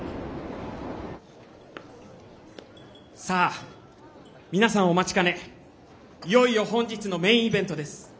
さあ皆さんお待ちかねいよいよ本日のメインイベントです。